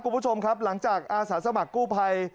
คุณผู้ชมครับหลังจากฝากตกับอาสาสมกุภัย